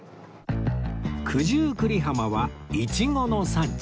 九十九里浜はイチゴの産地